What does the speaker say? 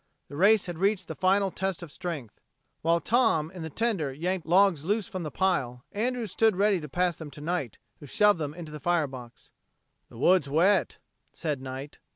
The race had reached the final test of strength. While Tom, in the tender, yanked logs loose from the pile, Andrews stood ready to pass them to Knight, who shoved them into the fire box. "The wood's wet," said Knight.